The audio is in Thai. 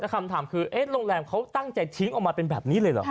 คำถามคือโรงแรมเขาตั้งใจทิ้งออกมาเป็นแบบนี้เลยเหรอ